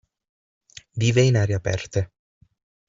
Vive in aree aperte.